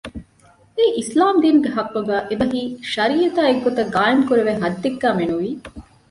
އެއީ އިސްލާމް ދީނުގެ ޙައްޤުގައި، އެބަހީ: ޝަރީޢަތާ އެއްގޮތަށް ޤާއިމު ކުރެވޭ ޙައްދެއްގައި މެނުވީ